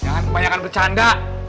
jangan kebanyakan bercanda